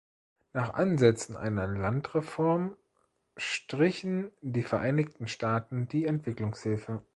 Nach Ansätzen einer Landreform strichen die Vereinigten Staaten die Entwicklungshilfe.